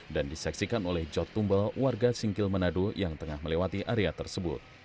dan disaksikan oleh jod tumbal warga singkil manado yang tengah melewati area tersebut